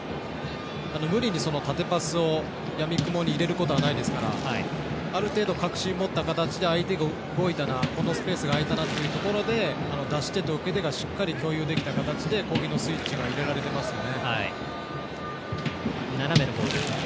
無理に縦パスをやみくもに入れることはないですからある程度、確信を持った形で相手が動いたなスペースが空いたなというところで出し手と受け手がしっかり共有できた形で攻撃のスイッチが入れられてますね。